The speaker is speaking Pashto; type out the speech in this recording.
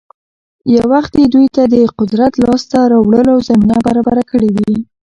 يـو وخـت يـې دوي تـه د قـدرت لاس تـه راوړلـو زمـينـه بـرابـره کـړي وي.